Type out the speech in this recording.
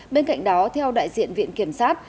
bên cạnh đó theo đại diện viện kiểm sát